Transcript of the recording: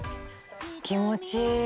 気持ちいい。